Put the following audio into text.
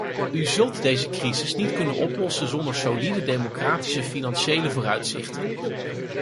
U zult deze crisis niet kunnen oplossen zonder solide, democratische financiële vooruitzichten.